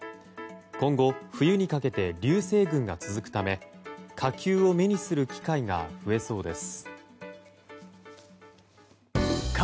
今後、冬にかけて流星群が続くため火球を目にする機会が増えそうです。